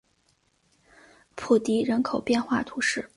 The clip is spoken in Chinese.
普迪人口变化图示